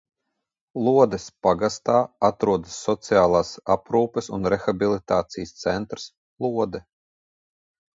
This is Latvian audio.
"Lodes pagastā atrodas Sociālās aprūpes un rehabilitācijas centrs "Lode"."